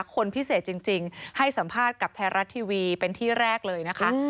คนพิเศษจริงให้สัมภาษณ์กับไทยรัฐทีวีเป็นที่แรกเลยนะคะ